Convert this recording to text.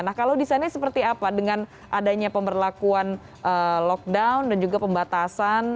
nah kalau di sana seperti apa dengan adanya pemberlakuan lockdown dan juga pembatasan